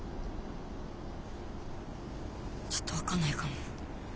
ちょっと分かんないかも。